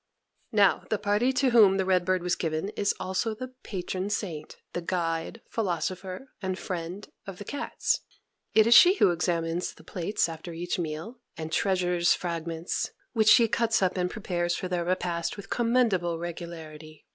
Now, the party to whom the red bird was given is also the patron saint, the "guide, philosopher, and friend," of the cats. It is she who examines the plates after each meal, and treasures fragments, which she cuts up and prepares for their repast with commendable regularity.